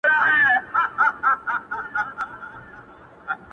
• که دا ښار هدیره نه وای که ژوندي پر اوسېدلای -